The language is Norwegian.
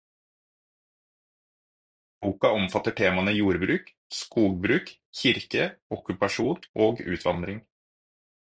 Boka omfatter temaene jordbruk, skogbruk, kirke, okkupasjon og utvandring.